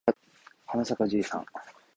はなさかじいさん